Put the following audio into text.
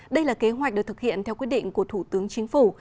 đây là kế hoạch được thực hiện theo quyết định của thủ tướng chính phủ